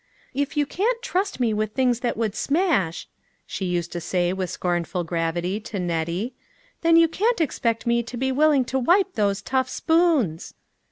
" If you can't trust me with things that would smash," she used to say with scorn ful gravity, to Nettie, " then you can't expect me to be willing to wipe those tough spoons."